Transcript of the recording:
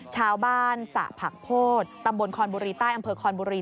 สระผักโพธิตำบลคอนบุรีใต้อำเภอคอนบุรี